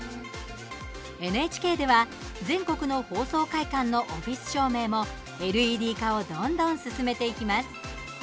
ＮＨＫでは、全国の放送会館のオフィス照明もＬＥＤ化をどんどん進めていきます。